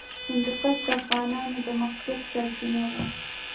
هندوکش د افغانانو د معیشت سرچینه ده.